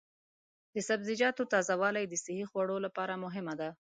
د سبزیجاتو تازه والي د صحي خوړو لپاره مهمه ده.